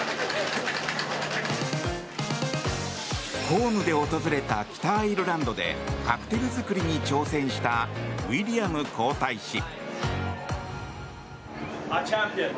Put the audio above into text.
公務で訪れた北アイルランドでカクテル作りに挑戦したウィリアム皇太子。